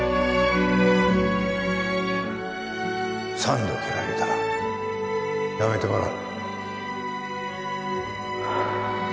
三度蹴られたら辞めてもらう